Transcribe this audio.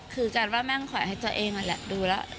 คือจริงว่าแม่งขอให้เจ้าเองอะแหละดูแล้ว